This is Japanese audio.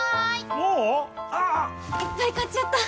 もう⁉ああ・・・いっぱい買っちゃった！